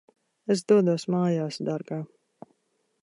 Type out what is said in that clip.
Es dodos mājās, dārgā.